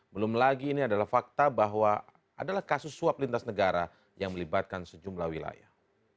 belum lagi ini adalah fakta bahwa adalah kasus suap lintas negara yang melibatkan sejumlah wilayah